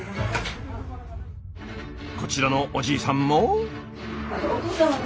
こちらのおじいさんも。